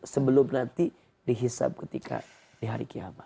sebelum nanti dihisap ketika di hari kiamat